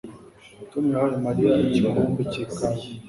Tom yahaye Mariya igikombe cyikawa